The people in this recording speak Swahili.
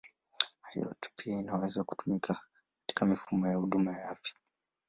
IoT pia inaweza kutumika katika mifumo ya huduma ya afya.